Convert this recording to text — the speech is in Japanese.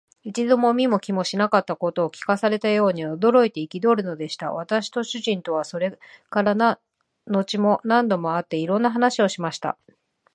一度も見も聞きもしなかったことを聞かされたように、驚いて憤るのでした。私と主人とは、それから後も何度も会って、いろんな話をしました。